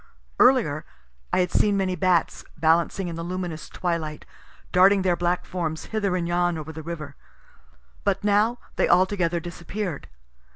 Earlier I had seen many bats, balancing in the luminous twilight, darting their black forms hither and yon over the river; but now they altogether disappear'd.